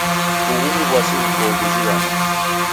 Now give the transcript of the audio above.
Ughu ni w'asi ghukoo ghuzighano.